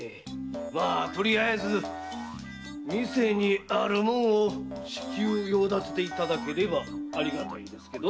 まあとりあえず店にある物を至急用立てていただければありがたいのですけど。